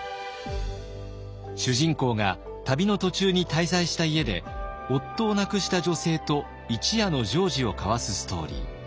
主人公が旅の途中に滞在した家で夫を亡くした女性と一夜の情事を交わすストーリー。